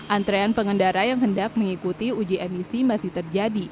antrean pengendara yang hendak mengikuti uji emisi masih terjadi